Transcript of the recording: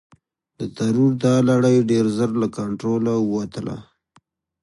د ترور دا لړۍ ډېر ژر له کنټروله ووتله.